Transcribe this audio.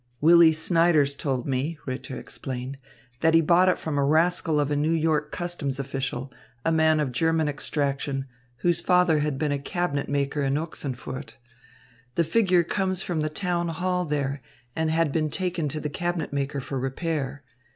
"Willy Snyders told me," Ritter explained, "that he bought it from a rascal of a New York customs official, a man of German extraction, whose father had been a cabinet maker in Ochsenfurt. The figure comes from the town hall there and had been taken to the cabinet maker for repair.